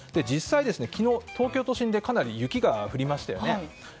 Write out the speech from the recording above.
実際、昨日、東京都心でかなり雪が降りましたよね。